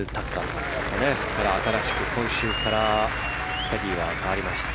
新しく今週からキャディーは代わりました。